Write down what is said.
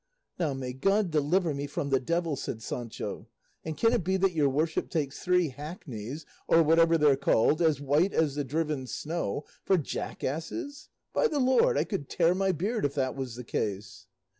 "Now, may God deliver me from the devil!" said Sancho, "and can it be that your worship takes three hackneys or whatever they're called as white as the driven snow, for jackasses? By the Lord, I could tear my beard if that was the case!"